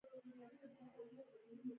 ناول د معنا موندنې یوه هڅه وه.